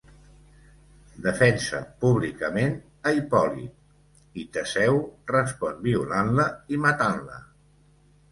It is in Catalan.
Defensa públicament a Hipòlit i Teseu respon violant-la i matant-la.